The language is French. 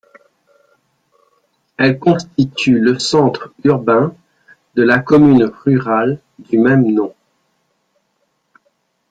Elle constitue le centre urbain de la commune rurale du même nom.